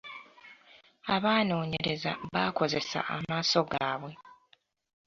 Abanoonyereza bakozesa amaaso gaabwe.